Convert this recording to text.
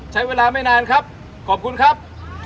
ใช้เวลาไม่นานครับขอบคุณครับ